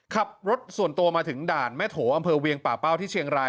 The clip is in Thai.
ขับรถส่วนตัวมาถึงด่านแม่โถอำเภอเวียงป่าเป้าที่เชียงราย